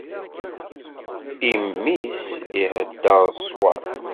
Imi-s ihedder ṣṣwab.